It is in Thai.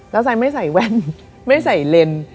แล้วไซไม่ใส่แว่นไม่ใส่เลน